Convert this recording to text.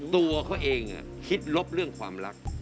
ตัวเขาเองคิดลบเรื่องความรัก